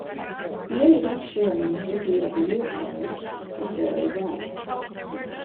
He ended up sharing "Rookie of the Year" honors with Larry Rice.